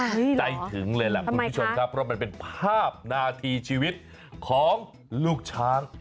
ใจถึงเลยแหละคุณผู้ชมครับเพราะมันเป็นภาพนาทีชีวิตของลูกช้าง